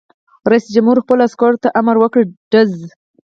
رئیس جمهور خپلو عسکرو ته امر وکړ؛ ډز!